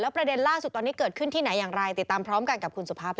ประเด็นล่าสุดตอนนี้เกิดขึ้นที่ไหนอย่างไรติดตามพร้อมกันกับคุณสุภาพค่ะ